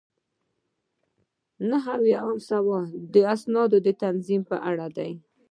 نهه اویایم سوال د اسنادو د تنظیم په اړه دی.